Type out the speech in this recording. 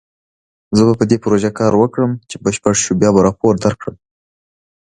زه به په دې پروژه کار وکړم، چې بشپړ شو بیا به راپور درکړم